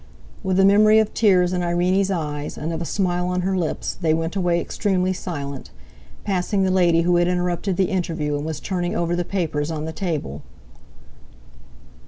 With a memory of tears in Irene's eyes, and of a smile on her lips, they went away extremely silent, passing the lady who had interrupted the interview and was turning over the papers on the table.